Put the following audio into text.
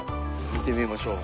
見てみましょう。